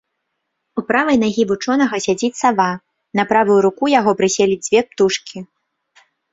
У правай нагі вучонага сядзіць сава, на правую руку яго прыселі дзве птушкі.